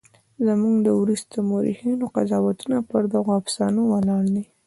زموږ د وروسته مورخینو قضاوتونه پر دغو افسانو ولاړ دي.